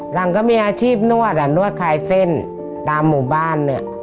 หลังก็มีอาชีพนวดอ่ะนวดคลายเส้นตามหมู่บ้านเนี่ย